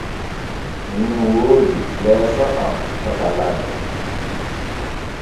Min woodi leeso am caka ladde.